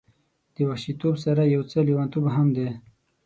د وحشي توب سره یو څه لیونتوب هم لري.